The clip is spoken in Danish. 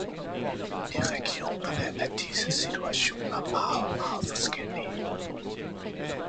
I regionerne er disse situationer meget, meget forskellige.